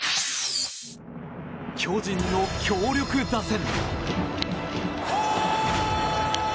巨人の強力打線。